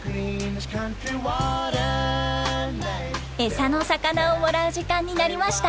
餌の魚をもらう時間になりました。